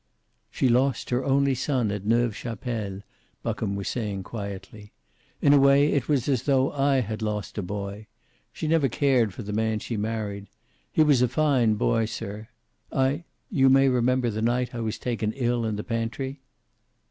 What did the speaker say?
"She lost her only son at Neuve Chapelle," Buckham was saying quietly. "In a way, it was as tho I had lost a boy. She never cared for the man she married. He was a fine boy, sir. I you may remember the night I was taken ill in the pantry."